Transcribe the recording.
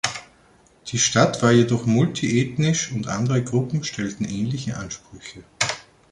Die Stadt war jedoch multiethnisch, und andere Gruppen stellten ähnliche Ansprüche.